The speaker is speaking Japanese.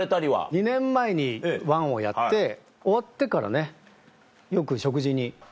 ２年前に「１」をやって終わってからねよく食事に行って。